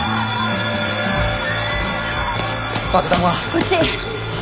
こっち。